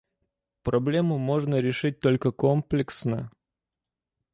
Проблему можно решить только комплексно.